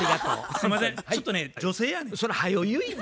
すいませんちょっとね女性やねん。